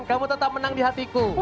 kamu tetap menang di hatiku